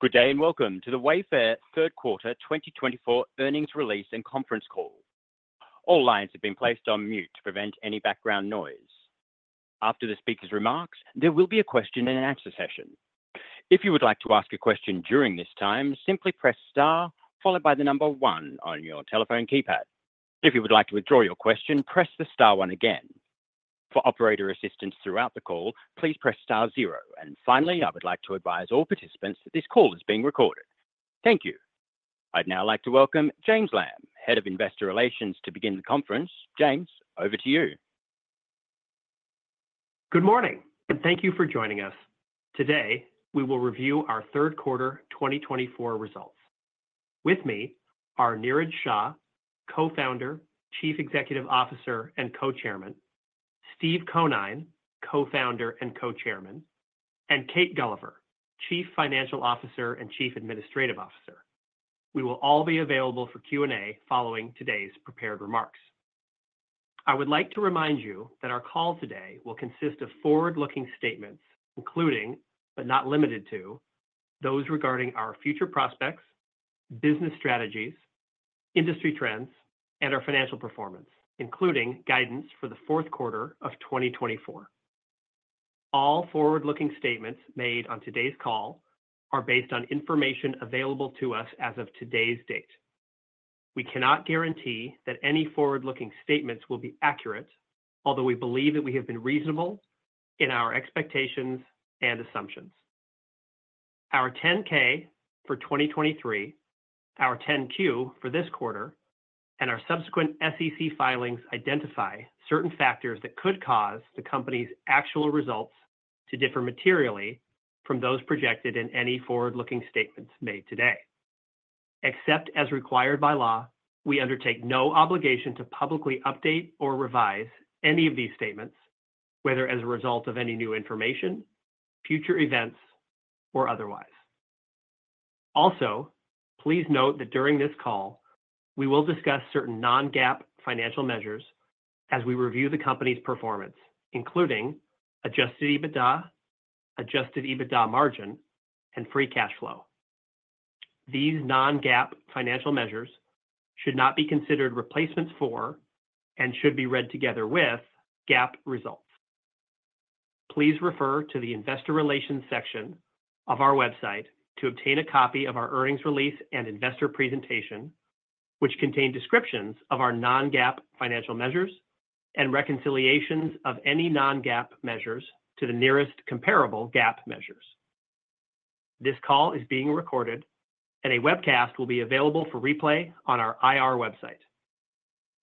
Good day and welcome to the Wayfair Q3 2024 earnings release and conference call. All lines have been placed on mute to prevent any background noise. After the speakers' remarks, there will be a question and answer session. If you would like to ask a question during this time, simply press star followed by the number one on your telephone keypad. If you would like to withdraw your question, press the star one again. For operator assistance throughout the call, please press star zero. And finally, I would like to advise all participants that this call is being recorded. Thank you. I'd now like to welcome James Lamb, Head of Investor Relations, to begin the conference. James, over to you. Good morning, and thank you for joining us. Today, we will review our Q3 2024 results. With me are Niraj Shah, Co-founder, Chief Executive Officer, and Co-Chairman, Steve Conine, Co-founder and Co-Chairman, and Kate Gulliver, Chief Financial Officer and Chief Administrative Officer. We will all be available for Q&A following today's prepared remarks. I would like to remind you that our call today will consist of forward-looking statements, including but not limited to those regarding our future prospects, business strategies, industry trends, and our financial performance, including guidance for Q4 2024. All forward-looking statements made on today's call are based on information available to us as of today's date. We cannot guarantee that any forward-looking statements will be accurate, although we believe that we have been reasonable in our expectations and assumptions. Our 10-K for 2023, our 10-Q for this quarter, and our subsequent SEC filings identify certain factors that could cause the company's actual results to differ materially from those projected in any forward-looking statements made today. Except as required by law, we undertake no obligation to publicly update or revise any of these statements, whether as a result of any new information, future events, or otherwise. Also, please note that during this call, we will discuss certain non-GAAP financial measures as we review the company's performance, including adjusted EBITDA, adjusted EBITDA margin, and free cash flow. These non-GAAP financial measures should not be considered replacements for and should be read together with GAAP results. Please refer to the Investor Relations section of our website to obtain a copy of our earnings release and investor presentation, which contain descriptions of our non-GAAP financial measures and reconciliations of any non-GAAP measures to the nearest comparable GAAP measures. This call is being recorded, and a webcast will be available for replay on our IR website.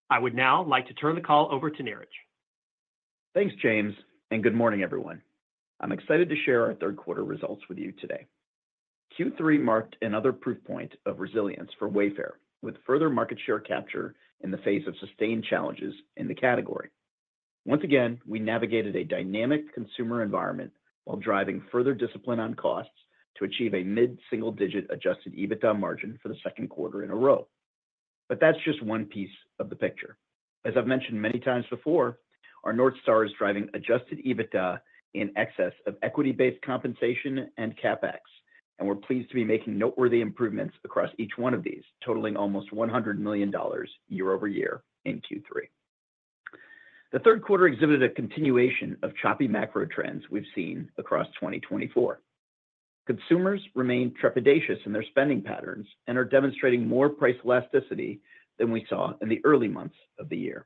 I would now like to turn the call over to Niraj. Thanks, James, and good morning, everyone. I'm excited to share our Q3 results with you today. Q3 marked another proof point of resilience for Wayfair, with further market share capture in the face of sustained challenges in the category. Once again, we navigated a dynamic consumer environment while driving further discipline on costs to achieve a mid-single-digit adjusted EBITDA margin for the second quarter in a row. But that's just one piece of the picture. As I've mentioned many times before, our North Star is driving adjusted EBITDA in excess of equity-based compensation and CapEx, and we're pleased to be making noteworthy improvements across each one of these, totaling almost $100 million year over year in Q3. The Q3 exhibited a continuation of choppy macro trends we've seen across 2024. Consumers remain trepidatious in their spending patterns and are demonstrating more price elasticity than we saw in the early months of the year.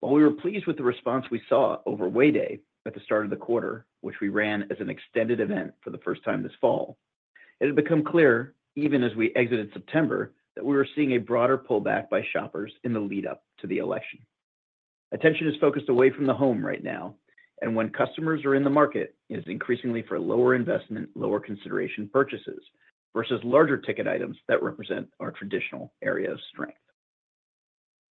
While we were pleased with the response we saw over Way Day at the start of the quarter, which we ran as an extended event for the first time this fall, it had become clear, even as we exited September, that we were seeing a broader pullback by shoppers in the lead-up to the election. Attention is focused away from the home right now, and when customers are in the market, it is increasingly for lower investment, lower consideration purchases versus larger ticket items that represent our traditional area of strength.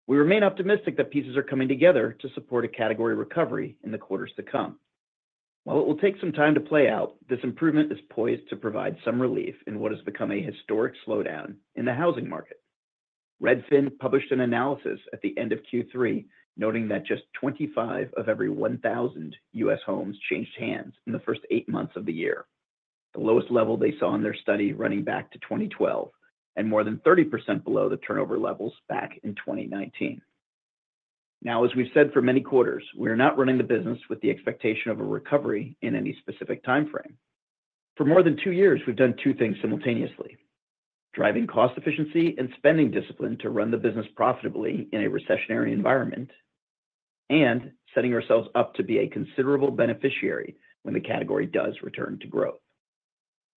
We remain optimistic that pieces are coming together to support a category recovery in the quarters to come. While it will take some time to play out, this improvement is poised to provide some relief in what has become a historic slowdown in the housing market. Redfin published an analysis at the end of Q3 noting that just 25 of every 1,000 U.S. homes changed hands in the first eight months of the year, the lowest level they saw in their study running back to 2012 and more than 30% below the turnover levels back in 2019. Now, as we've said for many quarters, we are not running the business with the expectation of a recovery in any specific timeframe. For more than two years, we've done two things simultaneously: driving cost efficiency and spending discipline to run the business profitably in a recessionary environment and setting ourselves up to be a considerable beneficiary when the category does return to growth.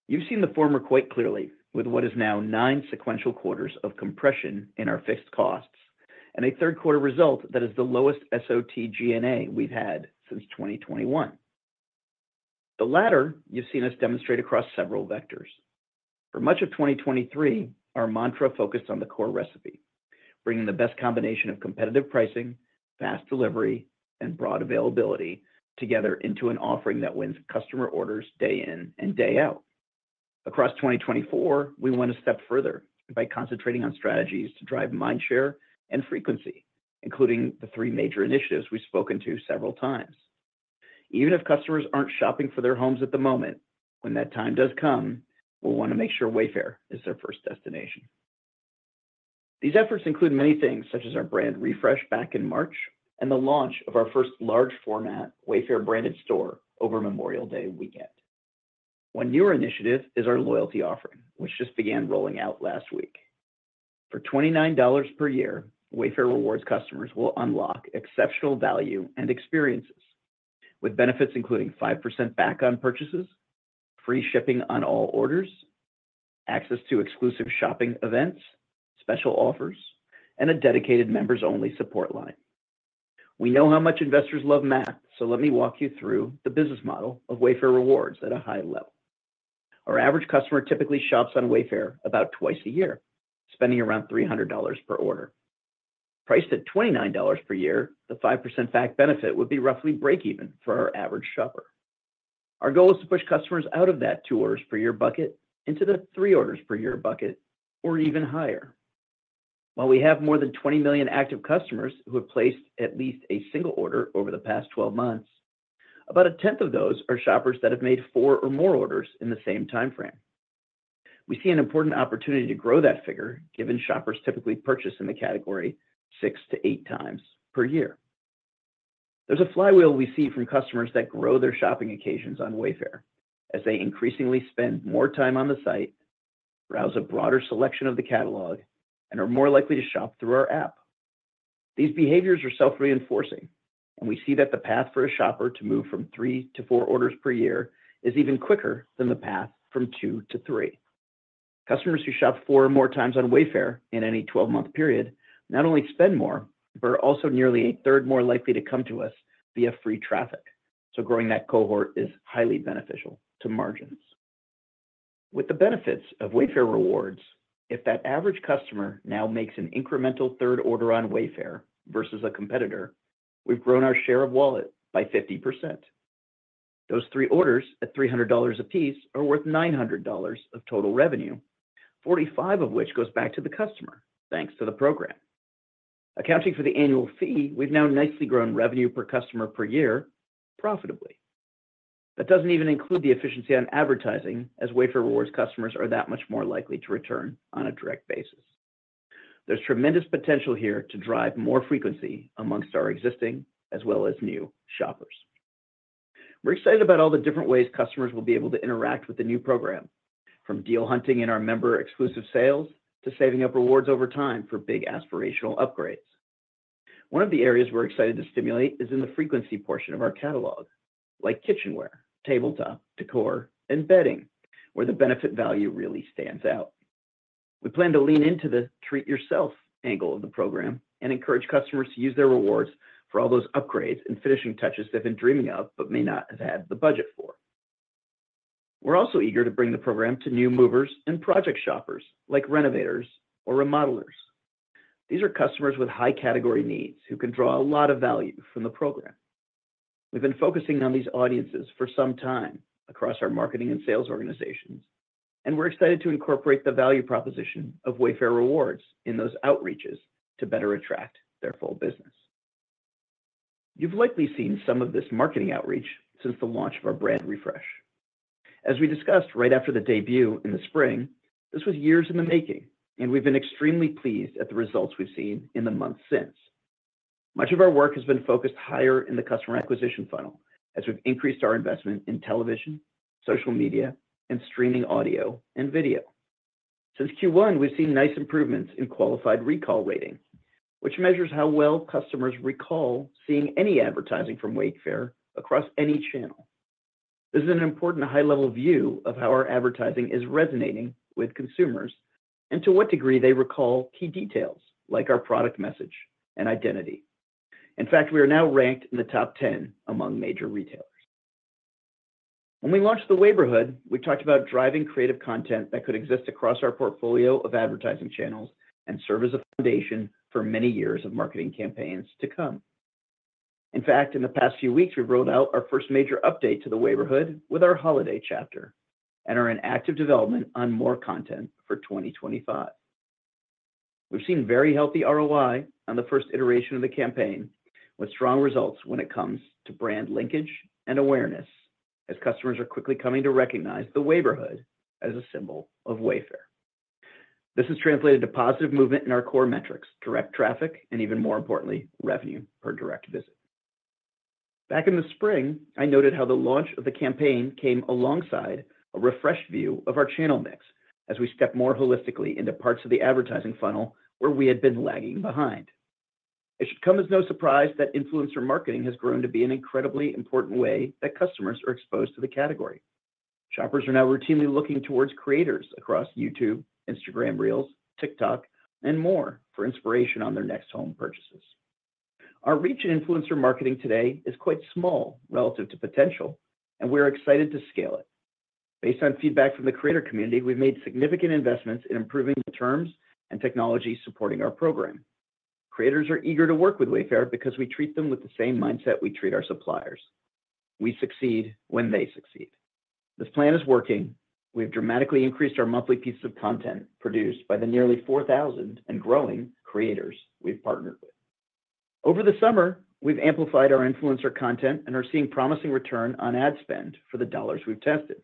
You've seen the former quite clearly with what is now nine sequential quarters of compression in our fixed costs and a Q3 result that is the lowest SOTG&A we've had since 2021. The latter you've seen us demonstrate across several vectors. For much of 2023, our mantra focused on the core recipe: bringing the best combination of competitive pricing, fast delivery, and broad availability together into an offering that wins customer orders day in and day out. Across 2024, we went a step further by concentrating on strategies to drive mind share and frequency, including the three major initiatives we've spoken to several times. Even if customers aren't shopping for their homes at the moment, when that time does come, we'll want to make sure Wayfair is their first destination. These efforts include many things, such as our brand refresh back in March and the launch of our first large-format Wayfair branded store over Memorial Day weekend. One newer initiative is our loyalty offering, which just began rolling out last week. For $29 per year, Wayfair Rewards customers will unlock exceptional value and experiences, with benefits including 5% back on purchases, free shipping on all orders, access to exclusive shopping events, special offers, and a dedicated members-only support line. We know how much investors love math, so let me walk you through the business model of Wayfair Rewards at a high level. Our average customer typically shops on Wayfair about twice a year, spending around $300 per order. Priced at $29 per year, the 5% back benefit would be roughly break-even for our average shopper. Our goal is to push customers out of that two orders per year bucket into the three orders per year bucket or even higher. While we have more than 20 million active customers who have placed at least a single order over the past 12 months, about a tenth of those are shoppers that have made four or more orders in the same timeframe. We see an important opportunity to grow that figure, given shoppers typically purchase in the category six-to-eight times per year. There's a flywheel we see from customers that grow their shopping occasions on Wayfair, as they increasingly spend more time on the site, browse a broader selection of the catalog, and are more likely to shop through our app. These behaviors are self-reinforcing, and we see that the path for a shopper to move from three to four orders per year is even quicker than the path from two to three. Customers who shop four or more times on Wayfair in any 12-month period not only spend more but are also nearly a third more likely to come to us via free traffic, so growing that cohort is highly beneficial to margins. With the benefits of Wayfair Rewards, if that average customer now makes an incremental third order on Wayfair versus a competitor, we've grown our share of wallet by 50%. Those three orders at $300 apiece are worth $900 of total revenue, $45 of which goes back to the customer, thanks to the program. Accounting for the annual fee, we've now nicely grown revenue per customer per year profitably. That doesn't even include the efficiency on advertising, as Wayfair Rewards customers are that much more likely to return on a direct basis. There's tremendous potential here to drive more frequency amongst our existing as well as new shoppers. We're excited about all the different ways customers will be able to interact with the new program, from deal hunting in our member-exclusive sales to saving up rewards over time for big aspirational upgrades. One of the areas we're excited to stimulate is in the frequency portion of our catalog, like kitchenware, tabletop, décor, and bedding, where the benefit value really stands out. We plan to lean into the treat-yourself angle of the program and encourage customers to use their rewards for all those upgrades and finishing touches they've been dreaming of but may not have had the budget for. We're also eager to bring the program to new movers and project shoppers, like renovators or remodelers. These are customers with high category needs who can draw a lot of value from the program. We've been focusing on these audiences for some time across our marketing and sales organizations, and we're excited to incorporate the value proposition of Wayfair Rewards in those outreaches to better attract their full business. You've likely seen some of this marketing outreach since the launch of our brand refresh. As we discussed right after the debut in the spring, this was years in the making, and we've been extremely pleased at the results we've seen in the months since. Much of our work has been focused higher in the customer acquisition funnel, as we've increased our investment in television, social media, and streaming audio and video. Since Q1, we've seen nice improvements in qualified recall rating, which measures how well customers recall seeing any advertising from Wayfair across any channel. This is an important high-level view of how our advertising is resonating with consumers and to what degree they recall key details like our product message and identity. In fact, we are now ranked in the top 10 among major retailers. When we launched the Wayborhood, we talked about driving creative content that could exist across our portfolio of advertising channels and serve as a foundation for many years of marketing campaigns to come. In fact, in the past few weeks, we rolled out our first major update to the Wayborhood with our holiday chapter and are in active development on more content for 2025. We've seen very healthy ROI on the first iteration of the campaign, with strong results when it comes to brand linkage and awareness, as customers are quickly coming to recognize the Wayborhood as a symbol of Wayfair. This has translated to positive movement in our core metrics, direct traffic, and even more importantly, revenue per direct visit. Back in the spring, I noted how the launch of the campaign came alongside a refreshed view of our channel mix as we step more holistically into parts of the advertising funnel where we had been lagging behind. It should come as no surprise that influencer marketing has grown to be an incredibly important way that customers are exposed to the category. Shoppers are now routinely looking towards creators across YouTube, Instagram Reels, TikTok, and more for inspiration on their next home purchases. Our reach in influencer marketing today is quite small relative to potential, and we're excited to scale it. Based on feedback from the creator community, we've made significant investments in improving the terms and technology supporting our program. Creators are eager to work with Wayfair because we treat them with the same mindset we treat our suppliers. We succeed when they succeed. This plan is working. We've dramatically increased our monthly pieces of content produced by the nearly 4,000 and growing creators we've partnered with. Over the summer, we've amplified our influencer content and are seeing promising return on ad spend for the dollars we've tested.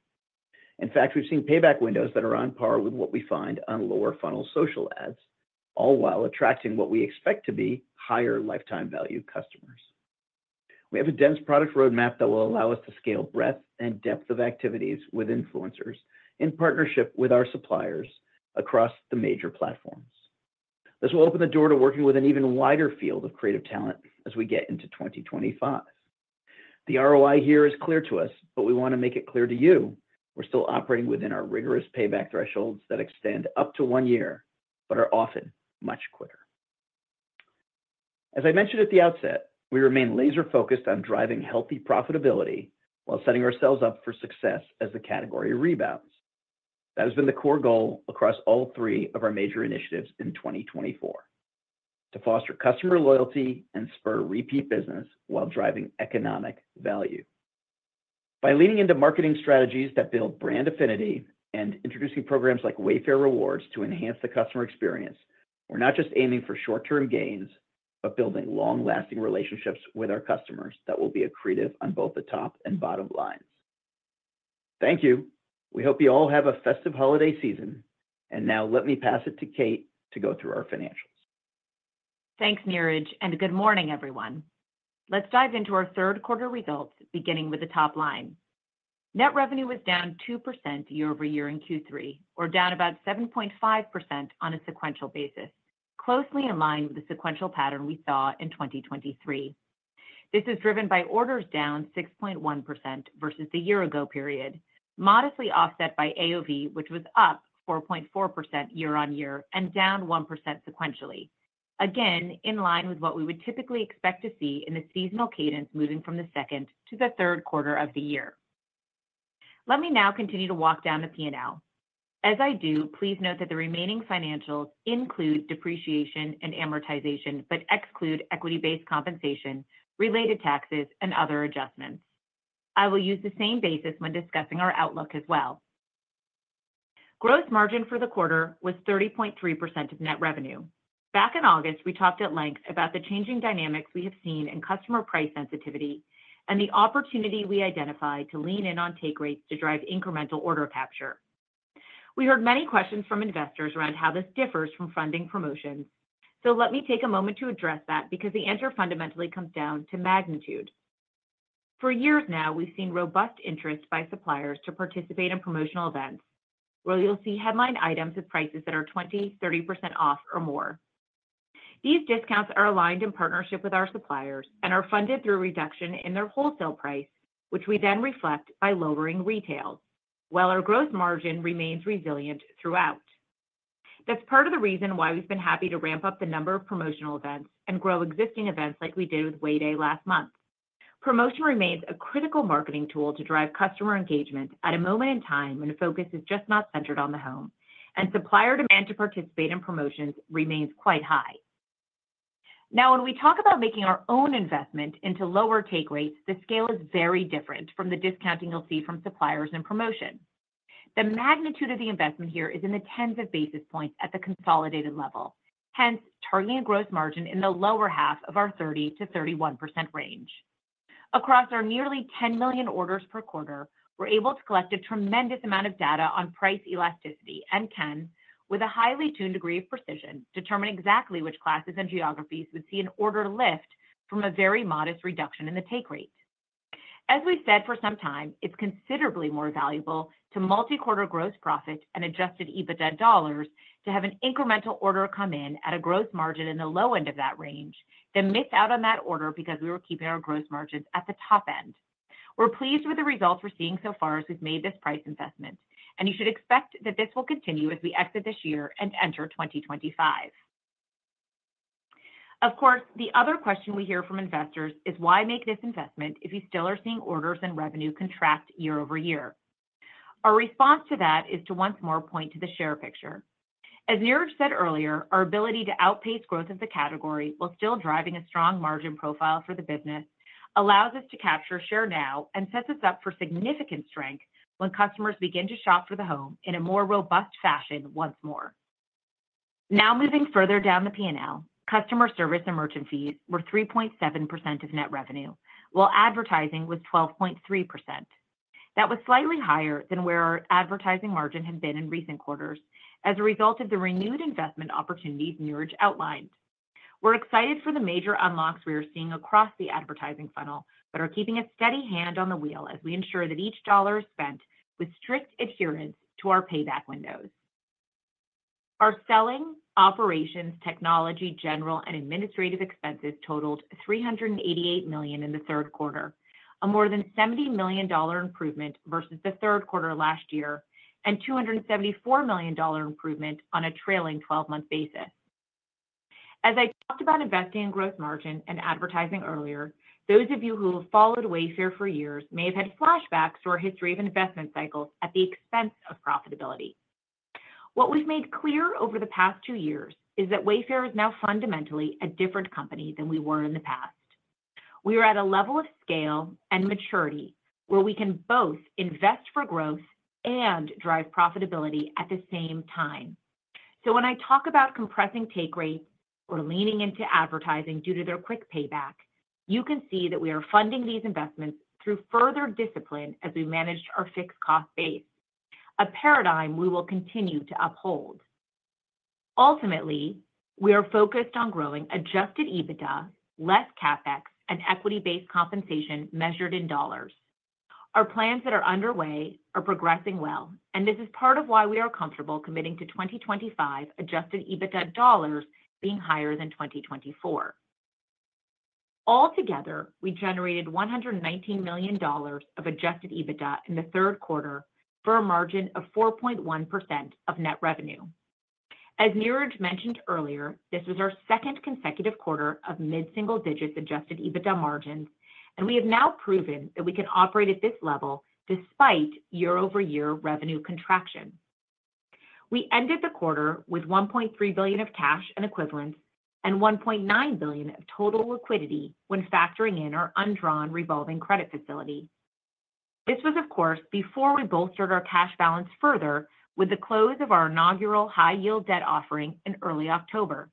In fact, we've seen payback windows that are on par with what we find on lower-funnel social ads, all while attracting what we expect to be higher lifetime value customers. We have a dense product roadmap that will allow us to scale breadth and depth of activities with influencers in partnership with our suppliers across the major platforms. This will open the door to working with an even wider field of creative talent as we get into 2025. The ROI here is clear to us, but we want to make it clear to you. We're still operating within our rigorous payback thresholds that extend up to one year but are often much quicker. As I mentioned at the outset, we remain laser-focused on driving healthy profitability while setting ourselves up for success as the category rebounds. That has been the core goal across all three of our major initiatives in 2024: to foster customer loyalty and spur repeat business while driving economic value. By leaning into marketing strategies that build brand affinity and introducing programs like Wayfair Rewards to enhance the customer experience, we're not just aiming for short-term gains but building long-lasting relationships with our customers that will be accretive on both the top and bottom lines. Thank you. We hope you all have a festive holiday season, and now let me pass it to Kate to go through our financials. Thanks, Niraj, and good morning, everyone. Let's dive into our Q3 results, beginning with the top line. Net revenue was down 2% year-over-year in Q3, or down about 7.5% on a sequential basis, closely in line with the sequential pattern we saw in 2023. This is driven by orders down 6.1% versus the year-ago period, modestly offset by AOV, which was up 4.4% year-on-year and down 1% sequentially, again in line with what we would typically expect to see in the seasonal cadence moving from the second to the third quarter of the year. Let me now continue to walk down the P&L. As I do, please note that the remaining financials include depreciation and amortization but exclude equity-based compensation, related taxes, and other adjustments. I will use the same basis when discussing our outlook as well. Gross margin for the quarter was 30.3% of net revenue. Back in August, we talked at length about the changing dynamics we have seen in customer price sensitivity and the opportunity we identified to lean in on take rates to drive incremental order capture. We heard many questions from investors around how this differs from funding promotions, so let me take a moment to address that because the answer fundamentally comes down to magnitude. For years now, we've seen robust interest by suppliers to participate in promotional events, where you'll see headline items at prices that are 20%, 30% off, or more. These discounts are aligned in partnership with our suppliers and are funded through reduction in their wholesale price, which we then reflect by lowering retails, while our gross margin remains resilient throughout. That's part of the reason why we've been happy to ramp up the number of promotional events and grow existing events like we did with Wayday last month. Promotion remains a critical marketing tool to drive customer engagement at a moment in time when focus is just not centered on the home, and supplier demand to participate in promotions remains quite high. Now, when we talk about making our own investment into lower take rates, the scale is very different from the discounting you'll see from suppliers and promotions. The magnitude of the investment here is in the tens of basis points at the consolidated level, hence targeting a gross margin in the lower half of our 30%-31% range. Across our nearly 10 million orders per quarter, we're able to collect a tremendous amount of data on price elasticity and can, with a highly tuned degree of precision, determine exactly which classes and geographies would see an order lift from a very modest reduction in the take rate. As we've said for some time, it's considerably more valuable to multi-quarter gross profit and adjusted EBITDA dollars to have an incremental order come in at a gross margin in the low end of that range than miss out on that order because we were keeping our gross margins at the top end. We're pleased with the results we're seeing so far as we've made this price investment, and you should expect that this will continue as we exit this year and enter 2025. Of course, the other question we hear from investors is, "Why make this investment if you still are seeing orders and revenue contract year-over-year?" Our response to that is to once more point to the share picture. As Niraj said earlier, our ability to outpace growth of the category while still driving a strong margin profile for the business allows us to capture share now and sets us up for significant strength when customers begin to shop for the home in a more robust fashion once more. Now, moving further down the P&L, customer service and merchant fees were 3.7% of net revenue, while advertising was 12.3%. That was slightly higher than where our advertising margin had been in recent quarters as a result of the renewed investment opportunities Niraj outlined. We're excited for the major unlocks we are seeing across the advertising funnel but are keeping a steady hand on the wheel as we ensure that each dollar is spent with strict adherence to our payback windows. Our selling, operations, technology, general, and administrative expenses totaled $388 million in the third quarter, a more than $70 million improvement versus the third quarter last year and $274 million improvement on a trailing 12-month basis. As I talked about investing in gross margin and advertising earlier, those of you who have followed Wayfair for years may have had flashbacks to our history of investment cycles at the expense of profitability. What we've made clear over the past two years is that Wayfair is now fundamentally a different company than we were in the past. We are at a level of scale and maturity where we can both invest for growth and drive profitability at the same time. When I talk about compressing take rates or leaning into advertising due to their quick payback, you can see that we are funding these investments through further discipline as we manage our fixed cost base, a paradigm we will continue to uphold. Ultimately, we are focused on growing adjusted EBITDA, less CapEx, and equity-based compensation measured in dollars. Our plans that are underway are progressing well, and this is part of why we are comfortable committing to 2025 adjusted EBITDA dollars being higher than 2024. Altogether, we generated $119 million of adjusted EBITDA in the third quarter for a margin of 4.1% of net revenue. As Niraj mentioned earlier, this was our second consecutive quarter of mid-single digits adjusted EBITDA margins, and we have now proven that we can operate at this level despite year-over-year revenue contraction. We ended the quarter with $1.3 billion of cash and equivalents and $1.9 billion of total liquidity when factoring in our undrawn revolving credit facility. This was, of course, before we bolstered our cash balance further with the close of our inaugural high-yield debt offering in early October.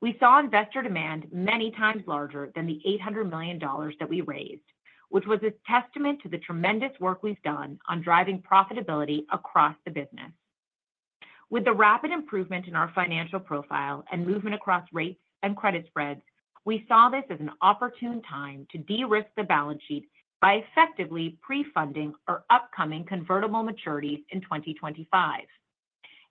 We saw investor demand many times larger than the $800 million that we raised, which was a testament to the tremendous work we've done on driving profitability across the business. With the rapid improvement in our financial profile and movement across rates and credit spreads, we saw this as an opportune time to de-risk the balance sheet by effectively pre-funding our upcoming convertible maturities in 2025.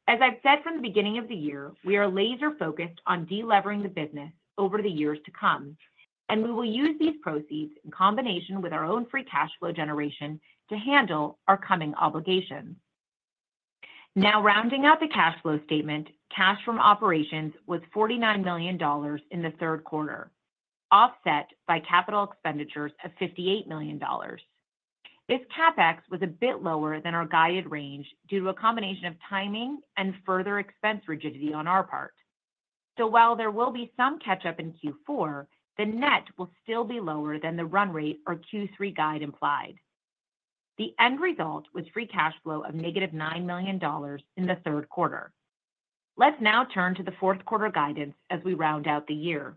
As I've said from the beginning of the year, we are laser-focused on delevering the business over the years to come, and we will use these proceeds in combination with our own free cash flow generation to handle our coming obligations. Now, rounding out the cash flow statement, cash from operations was $49 million in the third quarter, offset by capital expenditures of $58 million. This CapEx was a bit lower than our guided range due to a combination of timing and further expense rigidity on our part. So while there will be some catch-up in Q4, the net will still be lower than the run rate or Q3 guide implied. The end result was free cash flow of negative $9 million in the third quarter. Let's now turn to the Q4 guidance as we round out the year.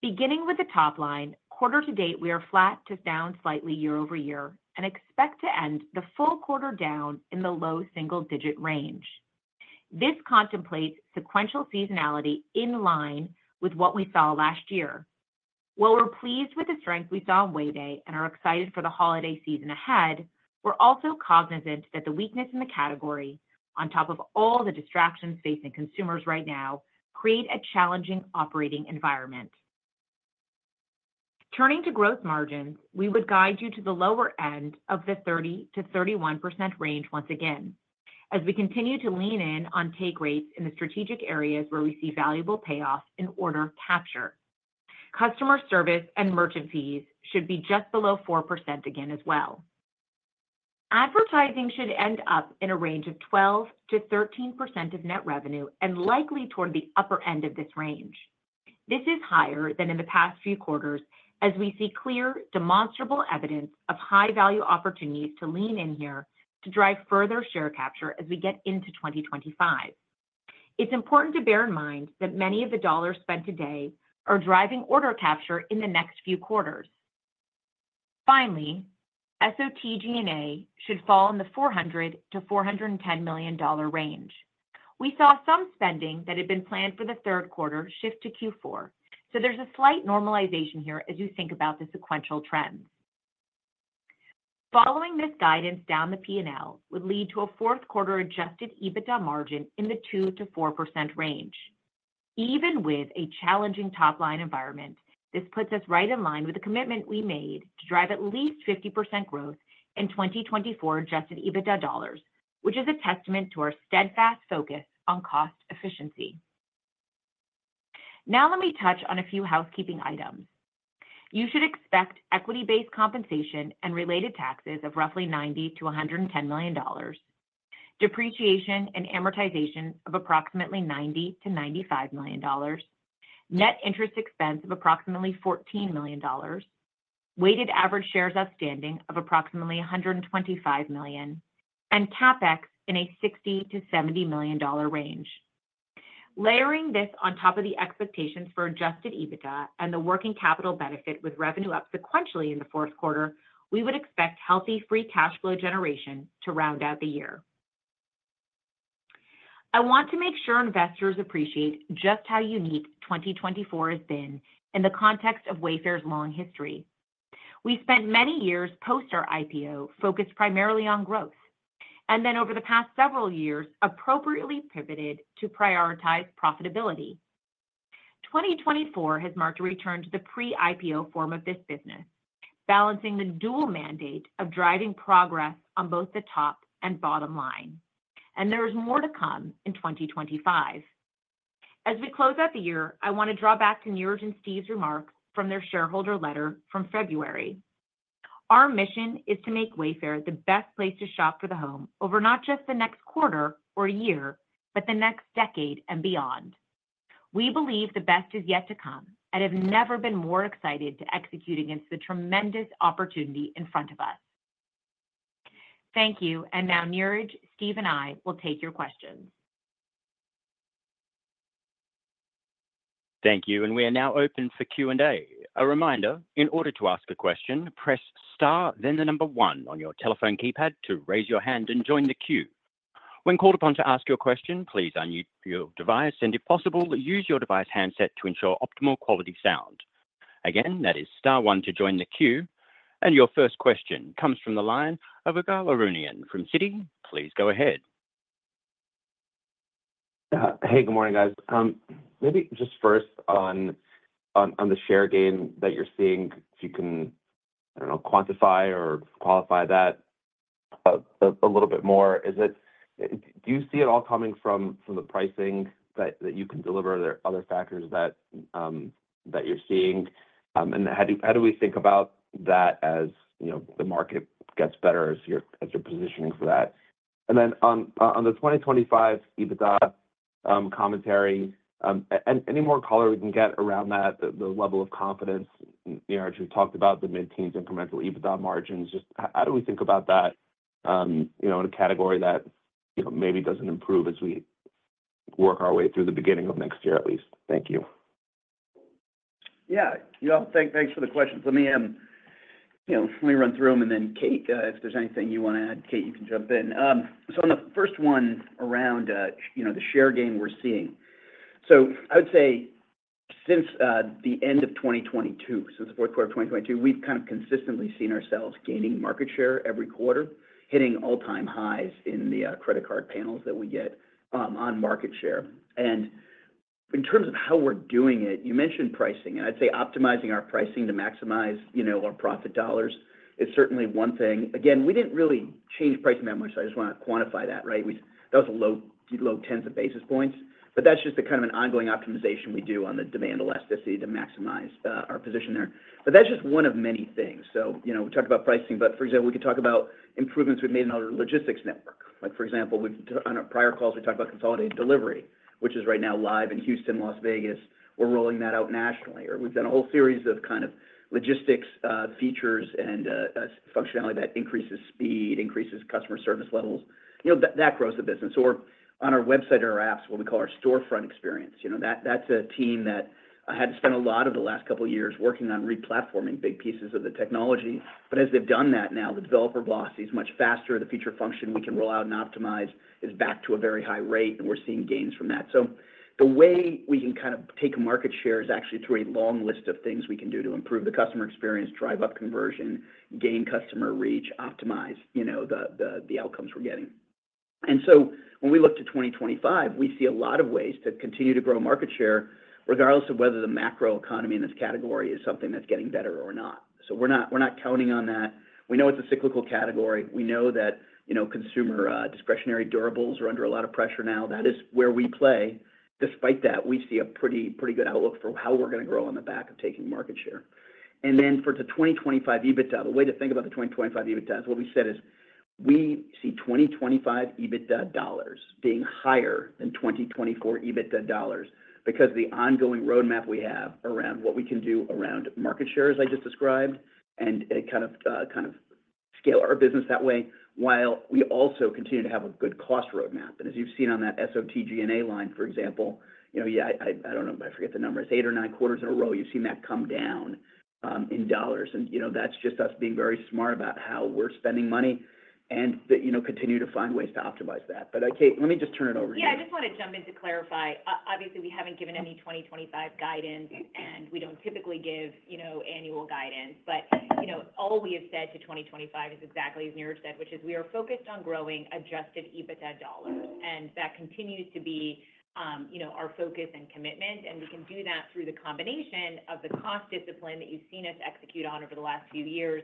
Beginning with the top line, quarter to date, we are flat to down slightly year-over-year and expect to end the full quarter down in the low single-digit range. This contemplates sequential seasonality in line with what we saw last year. While we're pleased with the strength we saw in Wayday and are excited for the holiday season ahead, we're also cognizant that the weakness in the category, on top of all the distractions facing consumers right now, creates a challenging operating environment. Turning to gross margins, we would guide you to the lower end of the 30%-31% range once again as we continue to lean in on take rates in the strategic areas where we see valuable payoffs in order capture. Customer service and merchant fees should be just below 4% again as well. Advertising should end up in a range of 12%-13% of net revenue and likely toward the upper end of this range. This is higher than in the past few quarters as we see clear, demonstrable evidence of high-value opportunities to lean in here to drive further share capture as we get into 2025. It's important to bear in mind that many of the dollars spent today are driving order capture in the next few quarters. Finally, SOTG&A should fall in the $400 million-$410 million range. We saw some spending that had been planned for the third quarter shift to Q4, so there's a slight normalization here as you think about the sequential trends. Following this guidance down the P&L would lead to a Q4 adjusted EBITDA margin in the 2%-4% range. Even with a challenging top-line environment, this puts us right in line with the commitment we made to drive at least 50% growth in 2024 adjusted EBITDA dollars, which is a testament to our steadfast focus on cost efficiency. Now, let me touch on a few housekeeping items. You should expect equity-based compensation and related taxes of roughly $90 million-$110 million, depreciation and amortization of approximately $90 million-$95 million, net interest expense of approximately $14 million, weighted average shares outstanding of approximately 125 million, and CapEx in a $60 million-$70 million range. Layering this on top of the expectations for adjusted EBITDA and the working capital benefit with revenue up sequentially in the fourth quarter, we would expect healthy free cash flow generation to round out the year. I want to make sure investors appreciate just how unique 2024 has been in the context of Wayfair's long history. We spent many years post our IPO focused primarily on growth, and then over the past several years, appropriately pivoted to prioritize profitability. 2024 has marked a return to the pre-IPO form of this business, balancing the dual mandate of driving progress on both the top and bottom line, and there is more to come in 2025. As we close out the year, I want to draw back to Niraj and Steve's remarks from their shareholder letter from February. Our mission is to make Wayfair the best place to shop for the home over not just the next quarter or year, but the next decade and beyond. We believe the best is yet to come and have never been more excited to execute against the tremendous opportunity in front of us. Thank you, and now Niraj, Steve, and I will take your questions. Thank you, and we are now open for Q&A. A reminder, in order to ask a question, press Star, then the number one on your telephone keypad to raise your hand and join the queue. When called upon to ask your question, please unmute your device, and if possible, use your device handset to ensure optimal quality sound. Again, that is Star one to join the queue, and your first question comes from the line of Ygal Arounian from Citi. Please go ahead. Hey, good morning, guys. Maybe just first on the share gain that you're seeing, if you can, I don't know, quantify or qualify that a little bit more, is it do you see it all coming from the pricing that you can deliver? Are there other factors that you're seeing? And how do we think about that as the market gets better as you're positioning for that? And then on the 2025 EBITDA commentary, any more color we can get around that, the level of confidence, Niraj, we've talked about the mid-teens incremental EBITDA margins. Just how do we think about that in a category that maybe doesn't improve as we work our way through the beginning of next year at least? Thank you. Yeah, thanks for the questions. Let me run through them, and then Kate, if there's anything you want to add, Kate, you can jump in. On the first one around the share gain we're seeing, I would say since the end of 2022, since the fourth quarter of 2022, we've kind of consistently seen ourselves gaining market share every quarter, hitting all-time highs in the credit card panels that we get on market share. And in terms of how we're doing it, you mentioned pricing, and I'd say optimizing our pricing to maximize our profit dollars is certainly one thing. Again, we didn't really change pricing that much. I just want to quantify that, right? That was a low tens of basis points, but that's just the kind of an ongoing optimization we do on the demand elasticity to maximize our position there. That's just one of many things. We talked about pricing, but for example, we could talk about improvements we've made in our logistics network. For example, on our prior calls, we talked about consolidated delivery, which is right now live in Houston, Las Vegas. We're rolling that out nationally, or we've done a whole series of kind of logistics features and functionality that increases speed, increases customer service levels. That grows the business. Or on our website and our apps, what we call our storefront experience. That's a team that had to spend a lot of the last couple of years working on replatforming big pieces of the technology. But as they've done that now, the developer velocity is much faster. The feature function we can roll out and optimize is back to a very high rate, and we're seeing gains from that. So the way we can kind of take market share is actually through a long list of things we can do to improve the customer experience, drive up conversion, gain customer reach, optimize the outcomes we're getting. And so when we look to 2025, we see a lot of ways to continue to grow market share, regardless of whether the macro economy in this category is something that's getting better or not. So we're not counting on that. We know it's a cyclical category. We know that consumer discretionary durables are under a lot of pressure now. That is where we play. Despite that, we see a pretty good outlook for how we're going to grow on the back of taking market share. And then for the 2025 EBITDA, the way to think about the 2025 EBITDA is what we said is we see 2025 EBITDA dollars being higher than 2024 EBITDA dollars because of the ongoing roadmap we have around what we can do around market share, as I just described, and kind of scale our business that way while we also continue to have a good cost roadmap. And as you've seen on that SOTG&A line, for example, I don't know if I forget the number, it's eight or nine quarters in a row, you've seen that come down in dollars. And that's just us being very smart about how we're spending money and continue to find ways to optimize that. But Kate, let me just turn it over to you. Yeah, I just want to jump in to clarify. Obviously, we haven't given any 2025 guidance, and we don't typically give annual guidance. But all we have said to 2025 is exactly as Niraj said, which is we are focused on growing adjusted EBITDA dollars, and that continues to be our focus and commitment. And we can do that through the combination of the cost discipline that you've seen us execute on over the last few years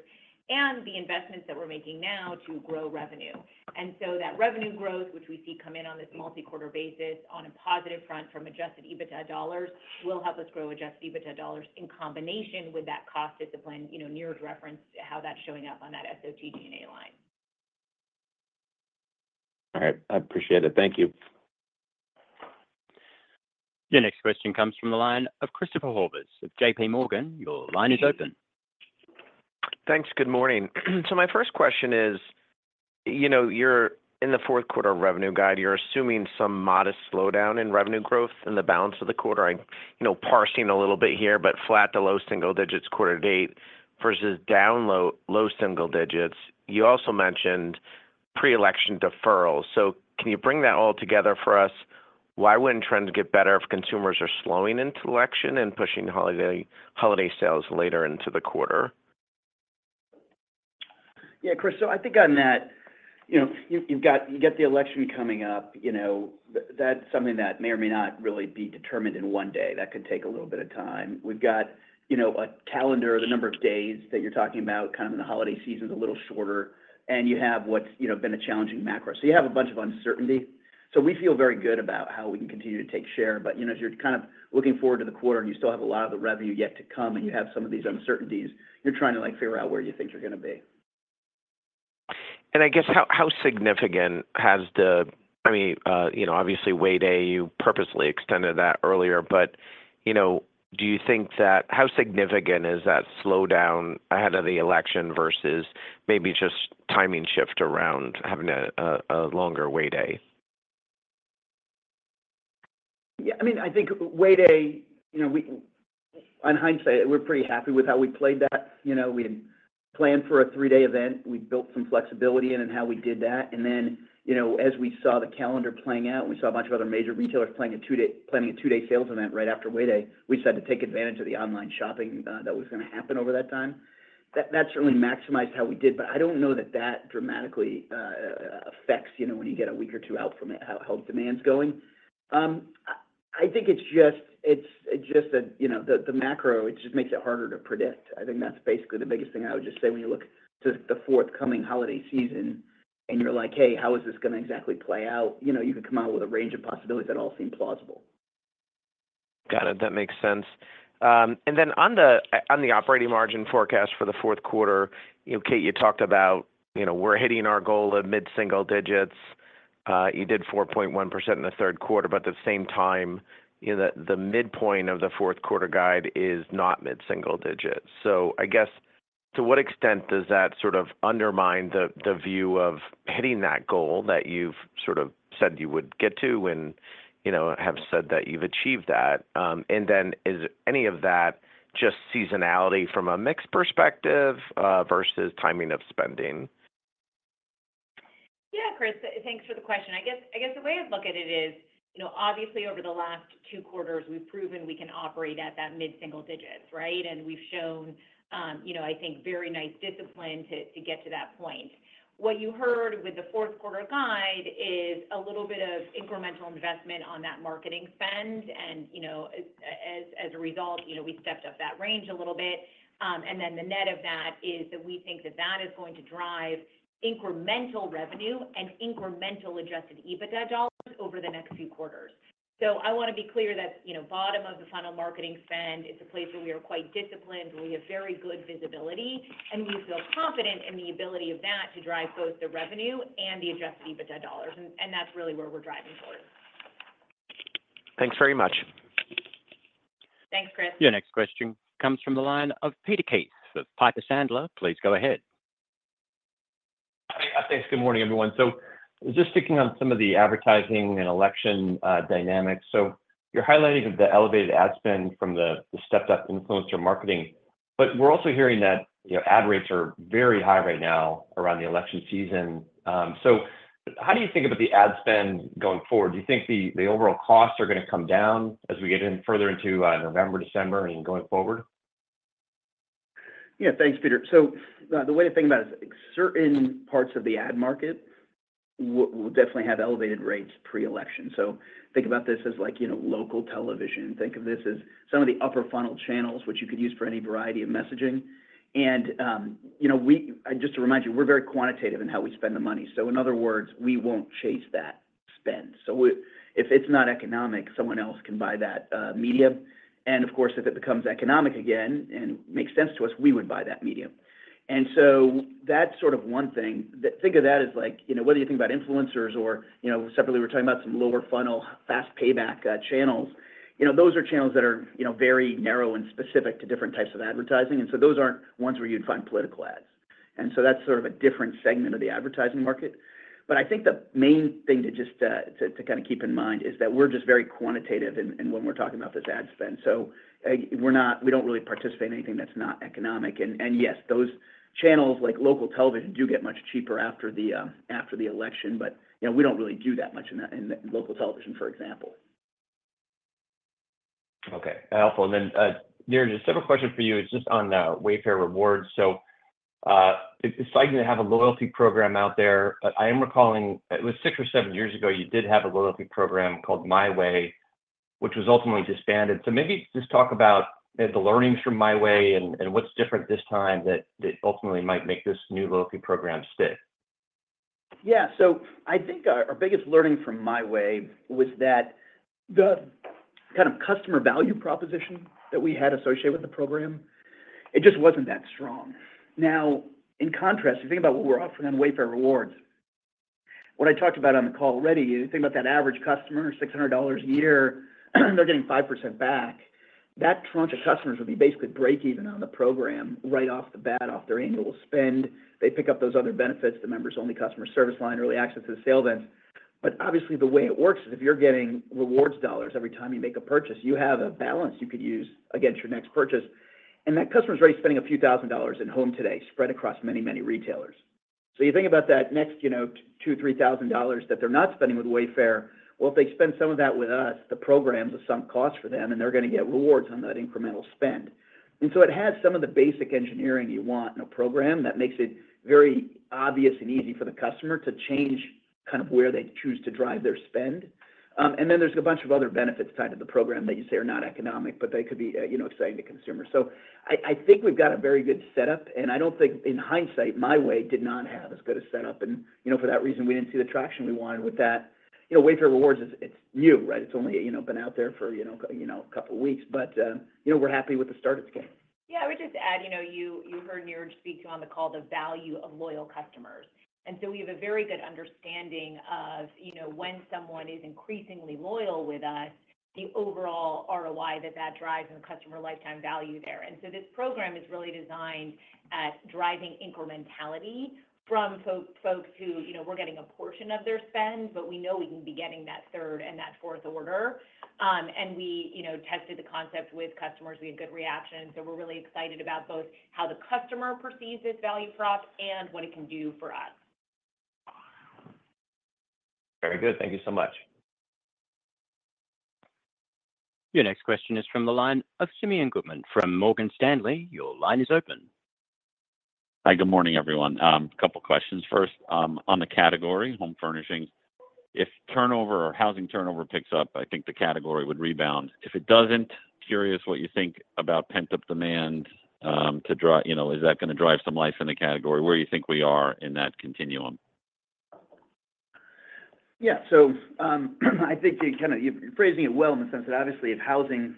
and the investments that we're making now to grow revenue. And so that revenue growth, which we see come in on this multi-quarter basis on a positive front from adjusted EBITDA dollars, will help us grow adjusted EBITDA dollars in combination with that cost discipline. Niraj referenced how that's showing up on that SOTG&A line. All right. I appreciate it. Thank you. Your next question comes from the line of Christopher Horvers. J.P. Morgan, your line is open. Thanks. Good morning. So my first question is, in the fourth quarter revenue guide, you're assuming some modest slowdown in revenue growth in the balance of the quarter. I'm parsing a little bit here, but flat to low single digits quarter to date versus down low single digits. You also mentioned pre-election deferral. So can you bring that all together for us? Why wouldn't trends get better if consumers are slowing into election and pushing holiday sales later into the quarter? Yeah, Chris, so I think on that, you've got the election coming up. That's something that may or may not really be determined in one day. That could take a little bit of time. We've got a calendar, the number of days that you're talking about, kind of in the holiday season is a little shorter, and you have what's been a challenging macro. So you have a bunch of uncertainty. So we feel very good about how we can continue to take share. But as you're kind of looking forward to the quarter and you still have a lot of the revenue yet to come and you have some of these uncertainties, you're trying to figure out where you think you're going to be. And I guess how significant has the, I mean, obviously, Wayday, you purposely extended that earlier, but do you think that how significant is that slowdown ahead of the election versus maybe just timing shift around having a longer Wayday? Yeah, I mean, I think Wayday, in hindsight, we're pretty happy with how we played that. We had planned for a three-day event. We built some flexibility in how we did that. And then as we saw the calendar playing out and we saw a bunch of other major retailers planning a two-day sales event right after Wayday, we decided to take advantage of the online shopping that was going to happen over that time. That certainly maximized how we did, but I don't know that that dramatically affects when you get a week or two out from how demand's going. I think it's just the macro, it just makes it harder to predict. I think that's basically the biggest thing I would just say when you look to the forthcoming holiday season and you're like, "Hey, how is this going to exactly play out?" You can come out with a range of possibilities that all seem plausible. Got it. That makes sense. And then on the operating margin forecast for the fourth quarter, Kate, you talked about we're hitting our goal of mid-single digits. You did 4.1% in the third quarter, but at the same time, the midpoint of the fourth quarter guide is not mid-single digits. So I guess to what extent does that sort of undermine the view of hitting that goal that you've sort of said you would get to and have said that you've achieved that? And then is any of that just seasonality from a mixed perspective versus timing of spending? Yeah, Chris, thanks for the question. I guess the way I'd look at it is, obviously, over the last two quarters, we've proven we can operate at that mid-single digits, right? And we've shown, I think, very nice discipline to get to that point. What you heard with the fourth quarter guide is a little bit of incremental investment on that marketing spend. And as a result, we stepped up that range a little bit. And then the net of that is that we think that that is going to drive incremental revenue and incremental adjusted EBITDA dollars over the next few quarters. So I want to be clear that bottom of the final marketing spend is a place where we are quite disciplined, where we have very good visibility, and we feel confident in the ability of that to drive both the revenue and the adjusted EBITDA dollars. And that's really where we're driving towards. Thanks very much. Thanks, Chris. Your next question comes from the line of Peter Keith. Piper Sandler, please go ahead. Thanks. Good morning, everyone. So just sticking on some of the advertising and election dynamics. So you're highlighting the elevated ad spend from the stepped-up influencer marketing, but we're also hearing that ad rates are very high right now around the election season. So how do you think about the ad spend going forward? Do you think the overall costs are going to come down as we get further into November, December, and going forward? Yeah, thanks, Peter. So the way to think about it is certain parts of the ad market will definitely have elevated rates pre-election. So think about this as local television. Think of this as some of the upper funnel channels which you could use for any variety of messaging. And just to remind you, we're very quantitative in how we spend the money. So in other words, we won't chase that spend. So if it's not economic, someone else can buy that medium. And of course, if it becomes economic again and makes sense to us, we would buy that medium. And so that's sort of one thing. Think of that as whether you think about influencers or separately, we're talking about some lower funnel fast payback channels. Those are channels that are very narrow and specific to different types of advertising. And so those aren't ones where you'd find political ads. And so that's sort of a different segment of the advertising market. But I think the main thing to just kind of keep in mind is that we're just very quantitative when we're talking about this ad spend. So we don't really participate in anything that's not economic. And yes, those channels like local television do get much cheaper after the election, but we don't really do that much in local television, for example. Okay. Helpful. Niraj, just a simple question for you. It's just on Wayfair Rewards. It's likely to have a loyalty program out there. I am recalling it was six or seven years ago you did have a loyalty program called MyWay, which was ultimately disbanded. Maybe just talk about the learnings from MyWay and what's different this time that ultimately might make this new loyalty program stick. Yeah. I think our biggest learning from MyWay was that the kind of customer value proposition that we had associated with the program, it just wasn't that strong. Now, in contrast, if you think about what we're offering on Wayfair Rewards, what I talked about on the call already, you think about that average customer, $600 a year, they're getting 5% back. That tranche of customers would be basically break-even on the program right off the bat, off their annual spend. They pick up those other benefits, the members-only customer service line, early access to the sale events. But obviously, the way it works is if you're getting rewards dollars every time you make a purchase, you have a balance you could use against your next purchase. And that customer's already spending a few thousand dollars in homey spread across many, many retailers. So you think about that next $2,000-$3,000 that they're not spending with Wayfair. Well, if they spend some of that with us, the program's a sunk cost for them, and they're going to get rewards on that incremental spend. And so it has some of the basic engineering you want in a program that makes it very obvious and easy for the customer to change kind of where they choose to drive their spend. And then there's a bunch of other benefits tied to the program that you say are not economic, but they could be exciting to consumers. So I think we've got a very good setup. And I don't think, in hindsight, MyWay did not have as good a setup. And for that reason, we didn't see the traction we wanted with that. Wayfair Rewards, it's new, right? It's only been out there for a couple of weeks, but we're happy with the startup scale. Yeah. I would just add you heard Niraj speak to on the call the value of loyal customers. And so we have a very good understanding of when someone is increasingly loyal with us, the overall ROI that that drives and the customer lifetime value there. And so this program is really designed at driving incrementality from folks who we're getting a portion of their spend, but we know we can be getting that third and that fourth order. And we tested the concept with customers. We had good reactions. So we're really excited about both how the customer perceives this value prop and what it can do for us. Very good. Thank you so much. Your next question is from the line of Simeon Gutman from Morgan Stanley. Your line is open. Hi. Good morning, everyone. A couple of questions first. On the category, home furnishings, if turnover or housing turnover picks up, I think the category would rebound. If it doesn't, curious what you think about pent-up demand to drive? Is that going to drive some life in the category? Where do you think we are in that continuum? Yeah, so I think you're kind of phrasing it well in the sense that obviously, if housing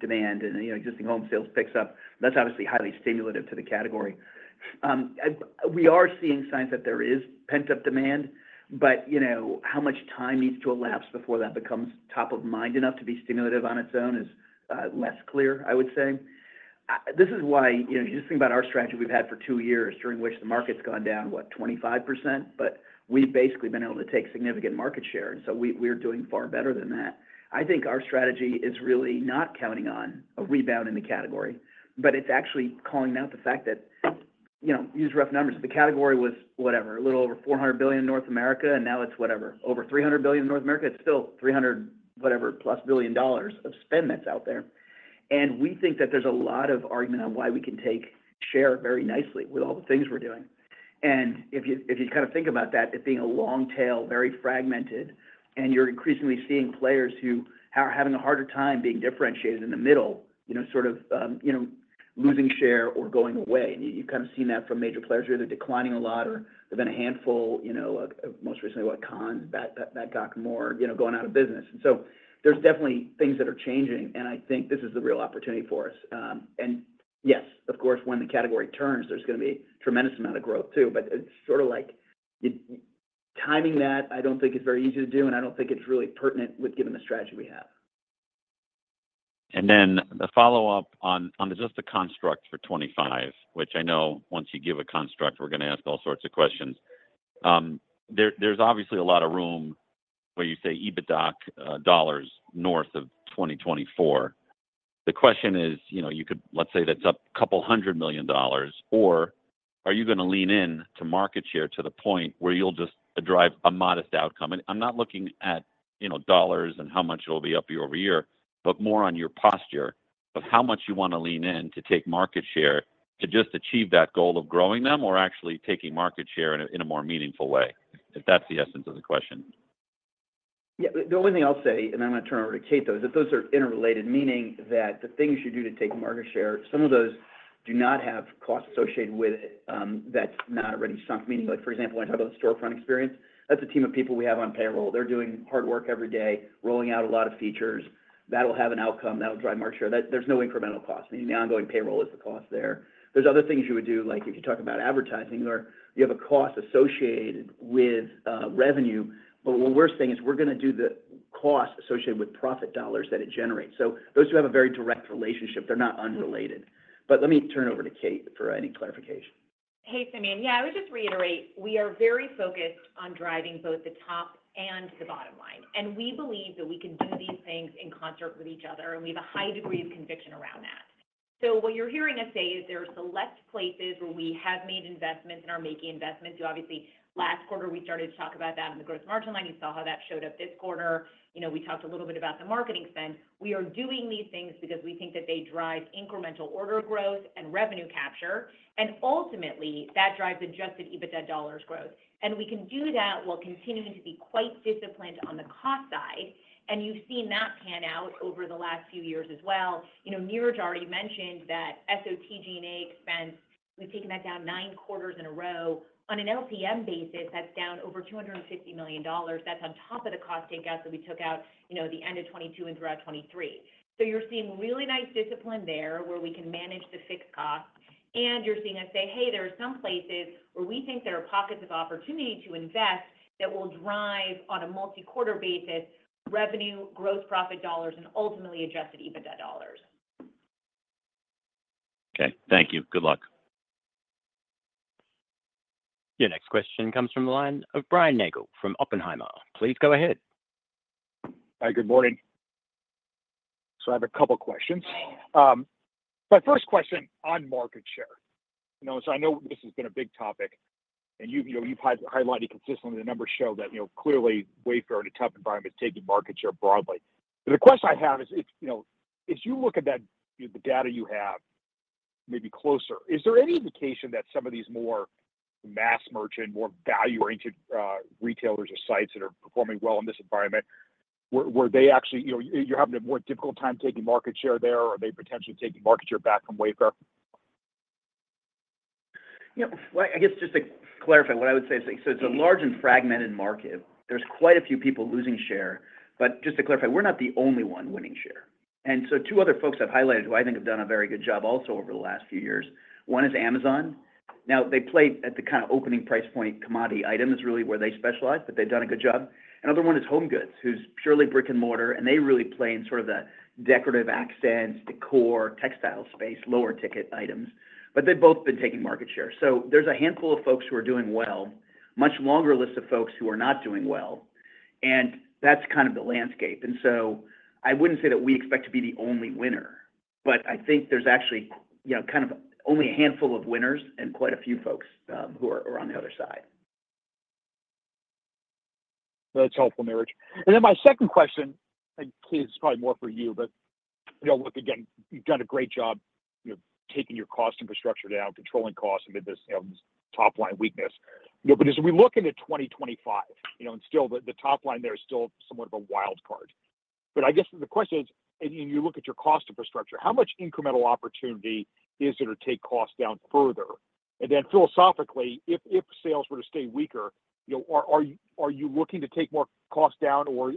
demand and existing home sales picks up, that's obviously highly stimulative to the category. We are seeing signs that there is pent-up demand, but how much time needs to elapse before that becomes top of mind enough to be stimulative on its own is less clear, I would say. This is why you just think about our strategy we've had for two years during which the market's gone down, what, 25%? But we've basically been able to take significant market share, and so we're doing far better than that. I think our strategy is really not counting on a rebound in the category, but it's actually calling out the fact that, using rough numbers, the category was whatever a little over $400 billion in North America, and now it's whatever over $300 billion in North America. It's still $300 billion whatever plus dollars of spend that's out there. We think that there's a lot of argument on why we can take share very nicely with all the things we're doing. If you kind of think about that, it being a long tail, very fragmented, and you're increasingly seeing players who are having a harder time being differentiated in the middle, sort of losing share or going away. You've kind of seen that from major players. They're either declining a lot or they've been a handful, most recently what Conn's, Badcock, and more going out of business. And so there's definitely things that are changing, and I think this is the real opportunity for us. And yes, of course, when the category turns, there's going to be a tremendous amount of growth too. But it's sort of like timing that, I don't think it's very easy to do, and I don't think it's really pertinent with given the strategy we have. And then the follow-up on just the construct for 2025, which I know once you give a construct, we're going to ask all sorts of questions. There's obviously a lot of room where you say EBITDA dollars north of 2024. The question is, you could, let's say, that's up $200 million, or are you going to lean into market share to the point where you'll just drive a modest outcome? I'm not looking at dollars and how much it'll be up year over year, but more on your posture of how much you want to lean in to take market share to just achieve that goal of growing them or actually taking market share in a more meaningful way, if that's the essence of the question. Yeah. The only thing I'll say, and I'm going to turn over to Kate though, is that those are interrelated, meaning that the things you do to take market share, some of those do not have costs associated with it that's not already sunk. Meaning, for example, when I talk about the storefront experience, that's a team of people we have on payroll. They're doing hard work every day, rolling out a lot of features. That'll have an outcome that'll drive market share. There's no incremental cost. I mean, the ongoing payroll is the cost there. There's other things you would do, like if you talk about advertising, or you have a cost associated with revenue. But what we're saying is we're going to do the cost associated with profit dollars that it generates. So those who have a very direct relationship, they're not unrelated. But let me turn over to Kate for any clarification. Hey, Simeon. Yeah, I would just reiterate. We are very focused on driving both the top and the bottom line. And we believe that we can do these things in concert with each other, and we have a high degree of conviction around that. So what you're hearing us say is there are select places where we have made investments and are making investments. Obviously, last quarter, we started to talk about that on the gross margin line. You saw how that showed up this quarter. We talked a little bit about the marketing spend. We are doing these things because we think that they drive incremental order growth and revenue capture. And ultimately, that drives adjusted EBITDA dollars growth. And we can do that while continuing to be quite disciplined on the cost side. And you've seen that pan out over the last few years as well. Niraj already mentioned that SOTG&A expense, we've taken that down nine quarters in a row. On an LTM basis, that's down over $250 million. That's on top of the cost takeouts that we took out the end of 2022 and throughout 2023. So you're seeing really nice discipline there where we can manage the fixed costs. And you're seeing us say, "Hey, there are some places where we think there are pockets of opportunity to invest that will drive on a multi-quarter basis revenue, gross profit dollars, and ultimately adjusted EBITDA dollars." Okay. Thank you. Good luck. Your next question comes from the line of Brian Nagel from Oppenheimer. Please go ahead. Hi. Good morning. So I have a couple of questions. My first question on market share. So I know this has been a big topic, and you've highlighted consistently the numbers show that clearly Wayfair in a tough environment is taking market share broadly. The question I have is, as you look at the data you have maybe closer, is there any indication that some of these more mass merchant, more value-oriented retailers or sites that are performing well in this environment, where they actually you're having a more difficult time taking market share there, or are they potentially taking market share back from Wayfair? Yeah. Well, I guess just to clarify what I would say is, so it's a large and fragmented market. There's quite a few people losing share. But just to clarify, we're not the only one winning share. And so two other folks I've highlighted who I think have done a very good job also over the last few years. One is Amazon. Now, they play at the kind of opening price point commodity items really where they specialize, but they've done a good job. Another one is HomeGoods, who's purely brick and mortar, and they really play in sort of the decorative accents, decor, textile space, lower ticket items. But they've both been taking market share. So there's a handful of folks who are doing well, much longer list of folks who are not doing well. And that's kind of the landscape. And so I wouldn't say that we expect to be the only winner, but I think there's actually kind of only a handful of winners and quite a few folks who are on the other side. That's helpful, Niraj. And then my second question, and Kate is probably more for you, but look, again, you've done a great job taking your cost infrastructure down, controlling costs, and maybe this top-line weakness. But as we look into 2025, and still the top line there is still somewhat of a wild card. But I guess the question is, and you look at your cost infrastructure, how much incremental opportunity is there to take costs down further? And then philosophically, if sales were to stay weaker, are you looking to take more costs down, or at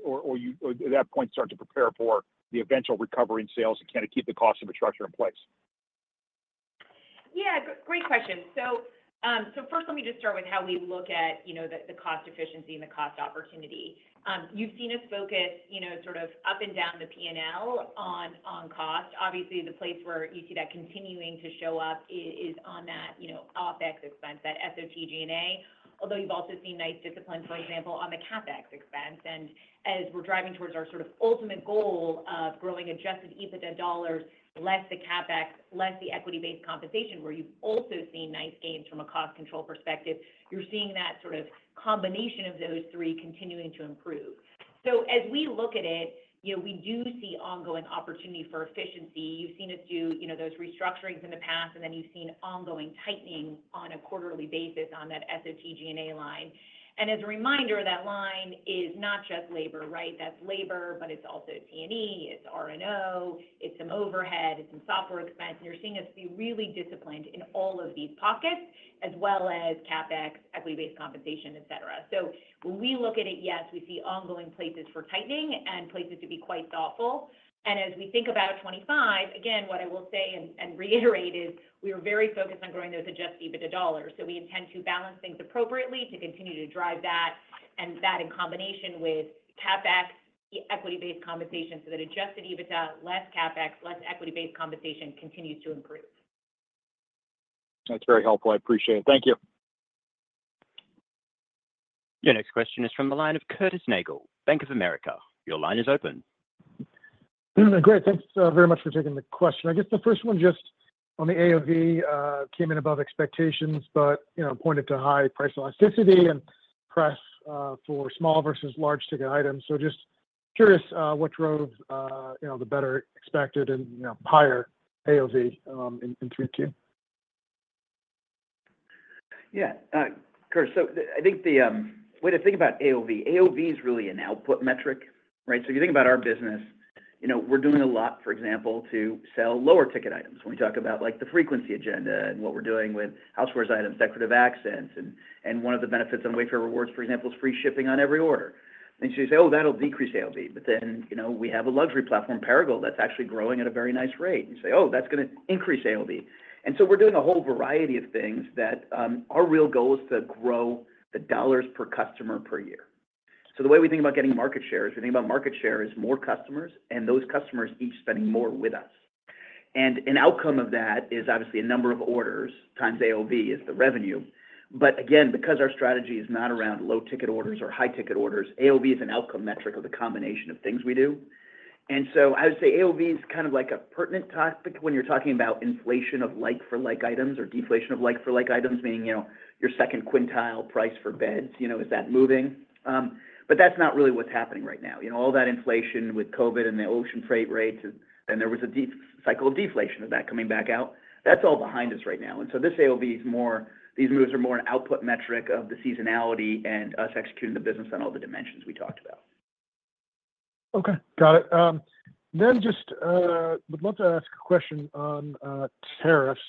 that point start to prepare for the eventual recovery in sales and kind of keep the cost infrastructure in place? Yeah. Great question. So first, let me just start with how we look at the cost efficiency and the cost opportunity. You've seen us focus sort of up and down the P&L on cost. Obviously, the place where you see that continuing to show up is on that OpEx expense, that SOTG&A, although you've also seen nice discipline, for example, on the CapEx expense. And as we're driving towards our sort of ultimate goal of growing adjusted EBITDA dollars, less the CapEx, less the equity-based compensation, where you've also seen nice gains from a cost control perspective, you're seeing that sort of combination of those three continuing to improve. So as we look at it, we do see ongoing opportunity for efficiency. You've seen us do those restructurings in the past, and then you've seen ongoing tightening on a quarterly basis on that SOTG&A line. And as a reminder, that line is not just labor, right? That's labor, but it's also T&E, it's R&O, it's some overhead, it's some software expense. And you're seeing us be really disciplined in all of these pockets, as well as CapEx, equity-based compensation, etc. So when we look at it, yes, we see ongoing places for tightening and places to be quite thoughtful. As we think about 2025, again, what I will say and reiterate is we are very focused on growing those adjusted EBITDA dollars. So we intend to balance things appropriately to continue to drive that, and that in combination with CapEx, equity-based compensation, so that adjusted EBITDA, less CapEx, less equity-based compensation continues to improve. That's very helpful. I appreciate it. Thank you. Your next question is from the line of Curtis Nagle, Bank of America. Your line is open. Great. Thanks very much for taking the question. I guess the first one just on the AOV came in above expectations, but pointed to high price elasticity and press for small versus large ticket items. So just curious what drove the better expected and higher AOV in 2022. Yeah. Of course. So I think the way to think about AOV, AOV is really an output metric, right? So if you think about our business, we're doing a lot, for example, to sell lower ticket items. When we talk about the frequency agenda and what we're doing with housewares items, decorative accents, and one of the benefits on Wayfair Rewards, for example, is free shipping on every order. And so you say, "Oh, that'll decrease AOV." But then we have a luxury platform, Perigold, that's actually growing at a very nice rate. You say, "Oh, that's going to increase AOV." And so we're doing a whole variety of things that our real goal is to grow the dollars per customer per year. So the way we think about getting market share is we think about market share as more customers, and those customers each spending more with us. And an outcome of that is obviously a number of orders times AOV is the revenue. But again, because our strategy is not around low ticket orders or high ticket orders, AOV is an outcome metric of the combination of things we do. And so I would say AOV is kind of like a pertinent topic when you're talking about inflation of like-for-like items or deflation of like-for-like items, meaning your second quintile price for beds, is that moving? But that's not really what's happening right now. All that inflation with COVID and the ocean freight rates, and there was a cycle of deflation of that coming back out. That's all behind us right now. And so this AOV is more these moves are more an output metric of the seasonality and us executing the business on all the dimensions we talked about. Okay. Got it. Then just would love to ask a question on tariffs.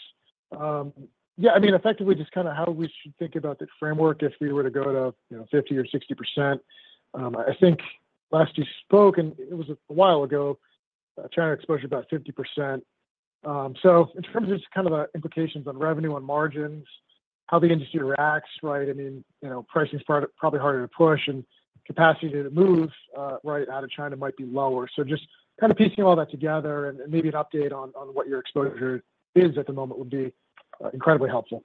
Yeah. I mean, effectively, just kind of how we should think about the framework if we were to go to 50% or 60%. I think last you spoke, and it was a while ago, China exposure about 50%. So in terms of just kind of the implications on revenue, on margins, how the industry reacts, right? I mean, pricing is probably harder to push, and capacity to move, right, out of China might be lower. So just kind of piecing all that together and maybe an update on what your exposure is at the moment would be incredibly helpful.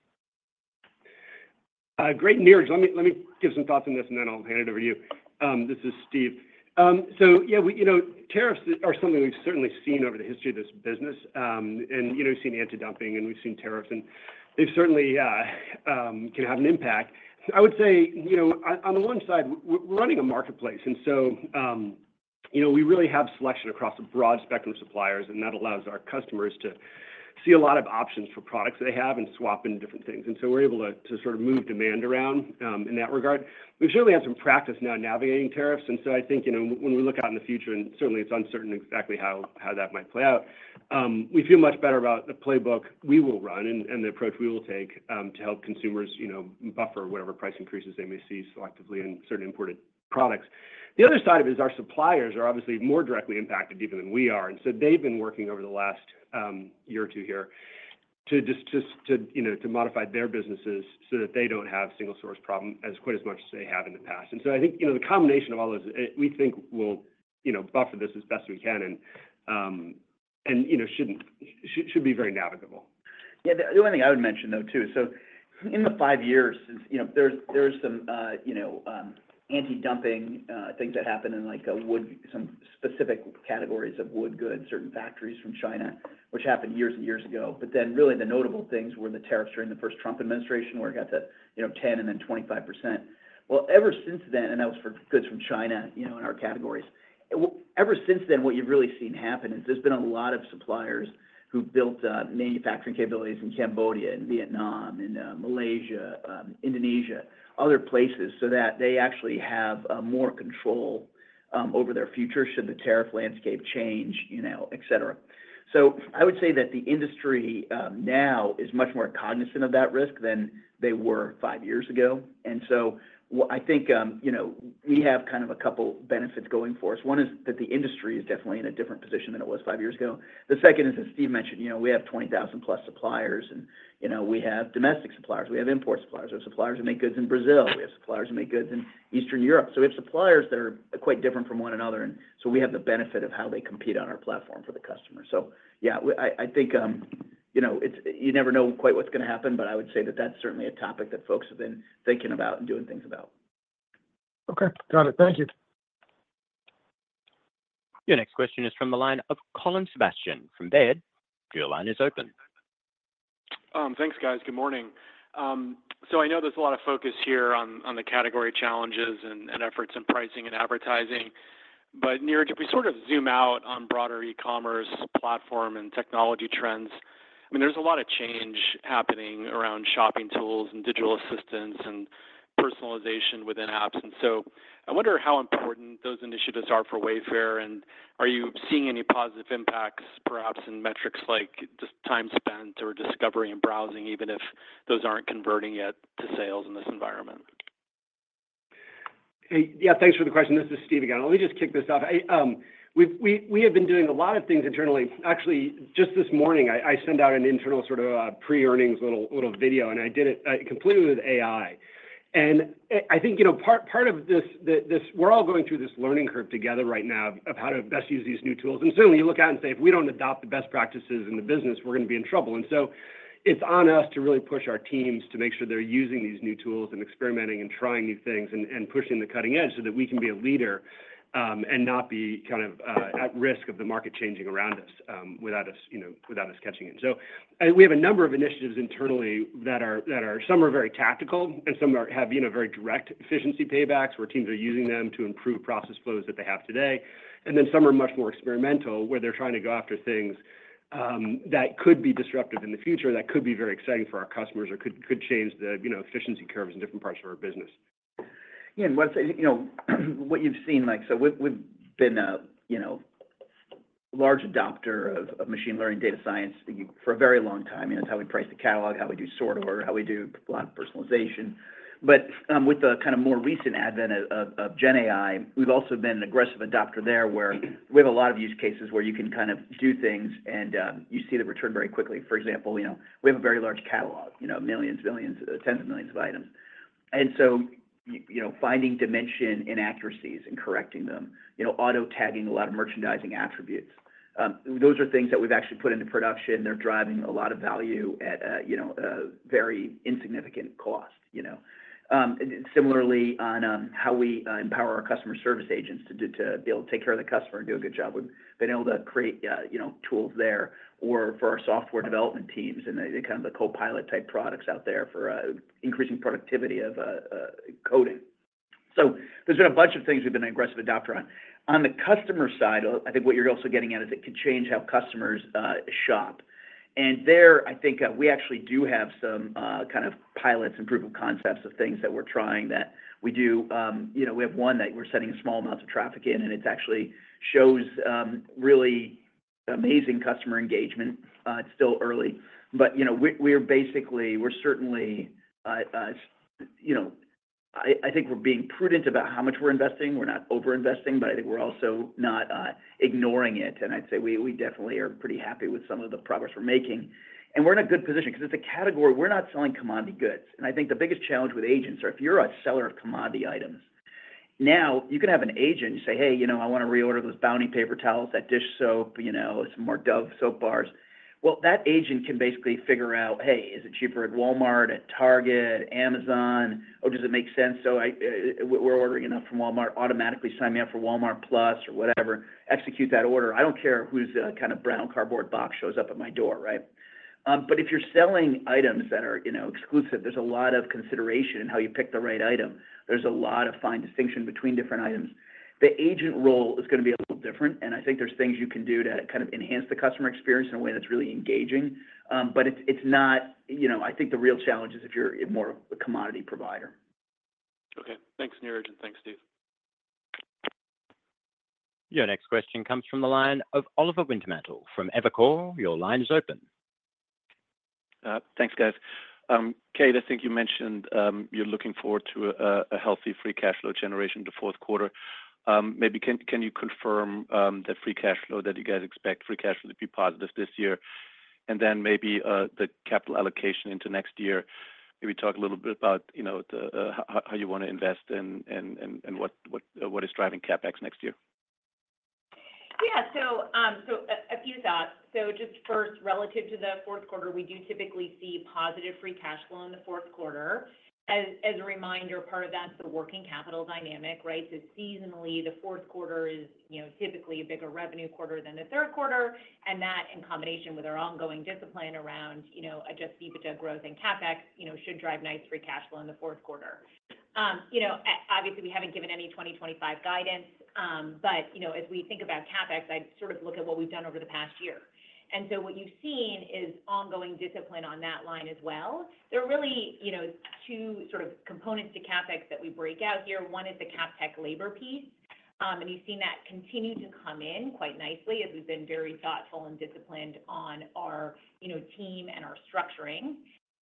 Great. Niraj, let me give some thoughts on this, and then I'll hand it over to you. This is Steve. So yeah, tariffs are something we've certainly seen over the history of this business. And you've seen anti-dumping, and we've seen tariffs, and they certainly can have an impact. I would say on the one side, we're running a marketplace, and so we really have selection across a broad spectrum of suppliers, and that allows our customers to see a lot of options for products they have and swap into different things. And so we're able to sort of move demand around in that regard. We certainly have some practice now navigating tariffs. And so I think when we look out in the future, and certainly it's uncertain exactly how that might play out, we feel much better about the playbook we will run and the approach we will take to help consumers buffer whatever price increases they may see selectively in certain imported products. The other side of it is our suppliers are obviously more directly impacted even than we are. And so they've been working over the last year or two here to modify their businesses so that they don't have single-source problem as quite as much as they have in the past. And so I think the combination of all those, we think, will buffer this as best we can and should be very navigable. Yeah. The only thing I would mention though too, so in the five years, there's some anti-dumping things that happen in some specific categories of wood goods, certain factories from China, which happened years and years ago. But then really the notable things were the tariffs during the first Trump administration where it got to 10% and then 25%. Well, ever since then, and that was for goods from China in our categories, ever since then, what you've really seen happen is there's been a lot of suppliers who built manufacturing capabilities in Cambodia and Vietnam and Malaysia, Indonesia, other places so that they actually have more control over their future should the tariff landscape change, etc. So I would say that the industry now is much more cognizant of that risk than they were five years ago. And so I think we have kind of a couple of benefits going for us. One is that the industry is definitely in a different position than it was five years ago. The second is, as Steve mentioned, we have 20,000-plus suppliers, and we have domestic suppliers. We have import suppliers. We have suppliers who make goods in Brazil. We have suppliers who make goods in Eastern Europe. So we have suppliers that are quite different from one another. And so we have the benefit of how they compete on our platform for the customer. So yeah, I think you never know quite what's going to happen, but I would say that that's certainly a topic that folks have been thinking about and doing things about. Okay. Got it. Thank you. Your next question is from the line of Colin Sebastian from Baird. Your line is open. Thanks, guys. Good morning. So I know there's a lot of focus here on the category challenges and efforts in pricing and advertising. But Niraj, if we sort of zoom out on broader e-commerce platform and technology trends, I mean, there's a lot of change happening around shopping tools and digital assistance and personalization within apps. And so I wonder how important those initiatives are for Wayfair, and are you seeing any positive impacts perhaps in metrics like just time spent or discovery and browsing, even if those aren't converting yet to sales in this environment? Yeah. Thanks for the question. This is Steve again. Let me just kick this off. We have been doing a lot of things internally. Actually, just this morning, I sent out an internal sort of pre-earnings little video, and I did it completely with AI. And I think part of this, we're all going through this learning curve together right now of how to best use these new tools. And certainly, you look at it and say, "If we don't adopt the best practices in the business, we're going to be in trouble." And so it's on us to really push our teams to make sure they're using these new tools and experimenting and trying new things and pushing the cutting edge so that we can be a leader and not be kind of at risk of the market changing around us without us catching it. So we have a number of initiatives internally that some are very tactical, and some have very direct efficiency paybacks where teams are using them to improve process flows that they have today. And then some are much more experimental where they're trying to go after things that could be disruptive in the future, that could be very exciting for our customers, or could change the efficiency curves in different parts of our business. Yeah. And what you've seen, so we've been a large adopter of machine learning data science for a very long time. It's how we price the catalog, how we do sort order, how we do a lot of personalization. But with the kind of more recent advent of GenAI, we've also been an aggressive adopter there where we have a lot of use cases where you can kind of do things, and you see the return very quickly. For example, we have a very large catalog, millions, millions, tens of millions of items. And so finding dimension inaccuracies and correcting them, auto tagging a lot of merchandising attributes, those are things that we've actually put into production. They're driving a lot of value at a very insignificant cost. Similarly, on how we empower our customer service agents to be able to take care of the customer and do a good job, we've been able to create tools there or for our software development teams and kind of the Copilot-type products out there for increasing productivity of coding. So there's been a bunch of things we've been an aggressive adopter on. On the customer side, I think what you're also getting at is it can change how customers shop. And there, I think we actually do have some kind of pilots and proof of concepts of things that we're trying that we do. We have one that we're sending small amounts of traffic in, and it actually shows really amazing customer engagement. It's still early, but we're basically certainly I think we're being prudent about how much we're investing. We're not over-investing, but I think we're also not ignoring it. And I'd say we definitely are pretty happy with some of the progress we're making. And we're in a good position because it's a category we're not selling commodity goods. And I think the biggest challenge with agents is if you're a seller of commodity items, now you can have an agent say, "Hey, I want to reorder those Bounty paper towels, that dish soap, some more Dove soap bars." Well, that agent can basically figure out, "Hey, is it cheaper at Walmart, at Target, Amazon? Oh, does it make sense? So we're ordering enough from Walmart, automatically sign me up for Walmart+ or whatever, execute that order." I don't care whose kind of brown cardboard box shows up at my door, right? But if you're selling items that are exclusive, there's a lot of consideration in how you pick the right item. There's a lot of fine distinction between different items. The agent role is going to be a little different, and I think there's things you can do to kind of enhance the customer experience in a way that's really engaging. But it's not I think the real challenge is if you're more of a commodity provider. Okay. Thanks, Niraj, and thanks, Steve. Your next question comes from the line of O from Evercore. Your line is open. Thanks, guys. Kate, I think you mentioned you're looking forward to a healthy free cash flow generation in the fourth quarter. Maybe can you confirm the free cash flow that you guys expect, free cash flow to be positive this year, and then maybe the capital allocation into next year? Maybe talk a little bit about how you want to invest and what is driving CapEx next year. Yeah. So a few thoughts. So just first, relative to the fourth quarter, we do typically see positive free cash flow in the fourth quarter. As a reminder, part of that's the working capital dynamic, right? So seasonally, the fourth quarter is typically a bigger revenue quarter than the third quarter. And that, in combination with our ongoing discipline around adjusting for growth and CapEx, should drive nice free cash flow in the fourth quarter. Obviously, we haven't given any 2025 guidance, but as we think about CapEx, I sort of look at what we've done over the past year, and so what you've seen is ongoing discipline on that line as well. There are really two sort of components to CapEx that we break out here. One is the CapTech labor piece, and you've seen that continue to come in quite nicely as we've been very thoughtful and disciplined on our team and our structuring,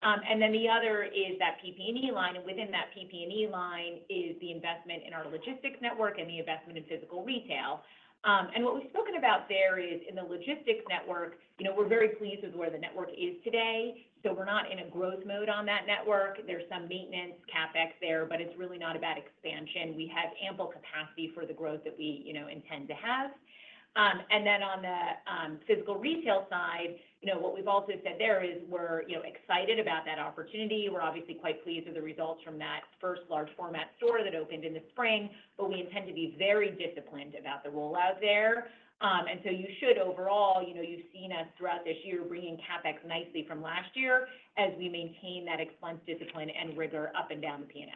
and then the other is that PP&E line, and within that PP&E line is the investment in our logistics network and the investment in physical retail, and what we've spoken about there is in the logistics network, we're very pleased with where the network is today. So we're not in a growth mode on that network. There's some maintenance CapEx there, but it's really not about expansion. We have ample capacity for the growth that we intend to have. And then on the physical retail side, what we've also said there is we're excited about that opportunity. We're obviously quite pleased with the results from that first large-format store that opened in the spring, but we intend to be very disciplined about the rollout there. And so you should overall, you've seen us throughout this year bringing CapEx nicely from last year as we maintain that expense discipline and rigor up and down the P&L.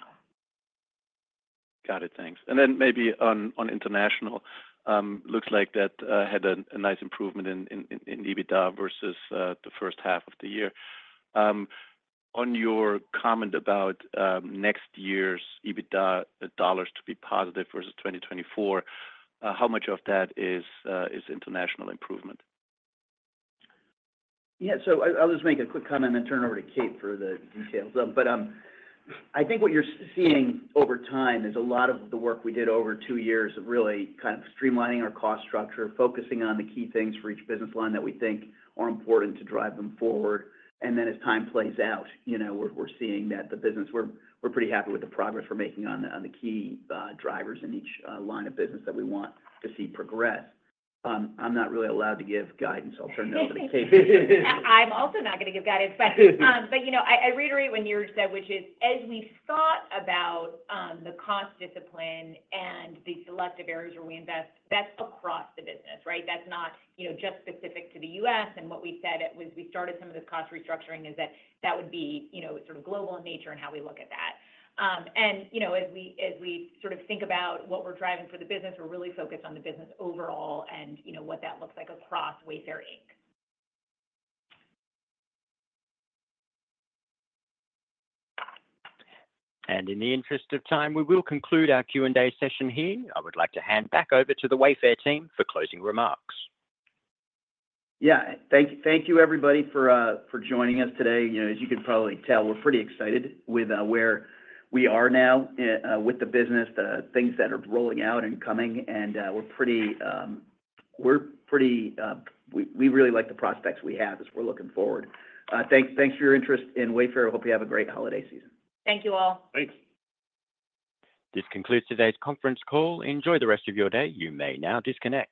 Got it. Thanks. And then maybe on international, looks like that had a nice improvement in EBITDA versus the first half of the year. On your comment about next year's EBITDA dollars to be positive versus 2024, how much of that is international improvement? Yeah. So I'll just make a quick comment and turn over to Kate for the details. But I think what you're seeing over time is a lot of the work we did over two years of really kind of streamlining our cost structure, focusing on the key things for each business line that we think are important to drive them forward. And then as time plays out, we're seeing that the business, we're pretty happy with the progress we're making on the key drivers in each line of business that we want to see progress. I'm not really allowed to give guidance. I'll turn it over to Kate. I'm also not going to give guidance. But I reiterate what Neeraj said, which is as we thought about the cost discipline and the selective areas where we invest, that's across the business, right? That's not just specific to the U.S. And what we said was we started some of this cost restructuring is that that would be sort of global in nature and how we look at that. And as we sort of think about what we're driving for the business, we're really focused on the business overall and what that looks like across Wayfair Inc. And in the interest of time, we will conclude our Q&A session here. I would like to hand back over to the Wayfair team for closing remarks. Yeah. Thank you, everybody, for joining us today. As you can probably tell, we're pretty excited with where we are now with the business, the things that are rolling out and coming. And we're pretty - we really like the prospects we have as we're looking forward. Thanks for your interest in Wayfair. Hope you have a great holiday season. Thank you all. Thanks. This concludes today's conference call. Enjoy the rest of your day. You may now disconnect.